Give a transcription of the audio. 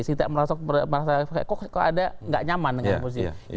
saya merasa kok ada tidak nyaman dengan posisi itu